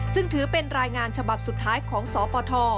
จึงถือเป็นรายงานฉบับสุดท้ายของสปท